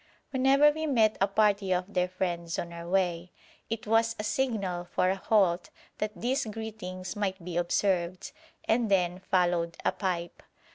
Whenever we met a party of their friends on our way, it was a signal for a halt that these greetings might be observed, and then followed a pipe.